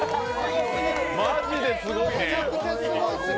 マジですごいね。